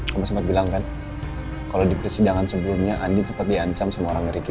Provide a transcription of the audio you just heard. kamu sempet bilang kan kalau di persidangan sebelumnya andi cepet diancam sama orang dari riki